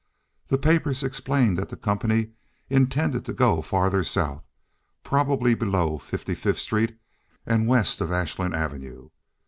The papers explained that the company intended to go farther south, probably below Fifty fifth Street and west of Ashland Avenue.